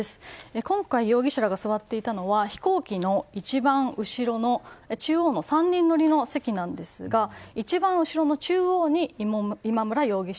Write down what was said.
今回容疑者らが座っていたのは飛行機の一番後ろの中央の３人乗りの席なんですが一番後ろの中央に今村容疑者。